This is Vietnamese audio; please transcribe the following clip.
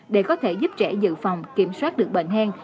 để có thể giúp trẻ dự phòng kiểm soát được bệnh hen